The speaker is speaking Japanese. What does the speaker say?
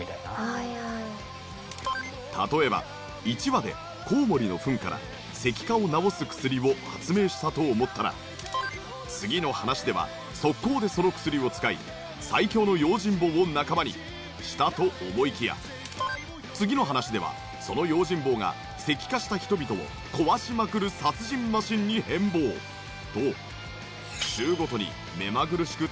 例えば１話でコウモリの糞から石化を治す薬を発明したと思ったら次の話では即行でその薬を使い最強の用心棒を仲間にしたと思いきや次の話ではその用心棒が石化した人々を壊しまくる殺人マシンに変貌と週ごとに目まぐるしく展開し